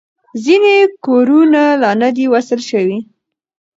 ځینې کورونه لا نه دي وصل شوي.